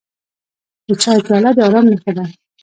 د چای پیاله د ارام نښه ده.